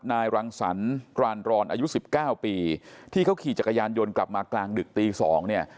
นายรังสรรค์กรานรรณอายุ๑๙ปีที่เขาขี่จักรยานยนต์กลับมากลางดึกตี๒เนี่ย